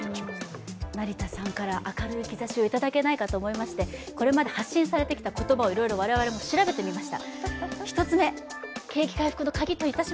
成田さんから明るい兆しをいただけないかと思いましてこれまで発信されてきた言葉を我々、調べてみました。